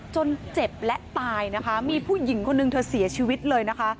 จนเจ็บและตายนะคะมีผู้หญิงคนนึงเธอเสียชีวิตเลยนะคะ